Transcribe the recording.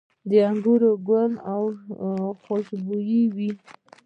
د انګورو ګل خوشبويه وي؟